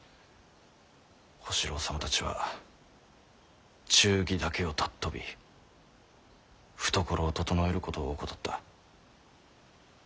小四郎様たちは忠義だけを尊び懐をととのえることを怠った。